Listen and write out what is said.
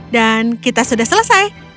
dan kita sudah selesai